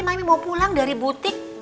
maim mau pulang dari butik